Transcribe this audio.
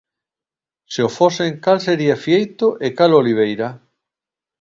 Se o fosen, cal sería fieito e cal oliveira?